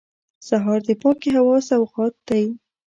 سهار د پاکې هوا سوغات دی.